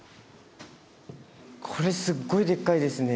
これすっごいでっかいですね。